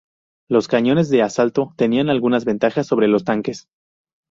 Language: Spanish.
Los cañones de asalto tenían algunas ventajas sobre los tanques.